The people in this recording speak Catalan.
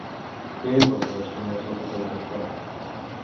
Què és el que desconeix la protagonista?